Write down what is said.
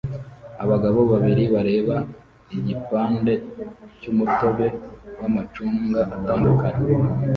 Abagabo babiri bareba igipande cyumutobe wamacunga atandukanye